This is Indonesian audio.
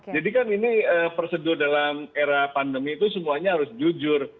jadi kan ini persedul dalam era pandemi itu semuanya harus jujur